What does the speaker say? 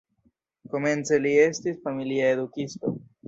Komence li estis familia edukisto.